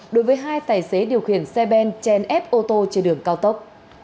đối với hai tài xế điều khiển xe ben trên ép ô tô trên đường cao tốc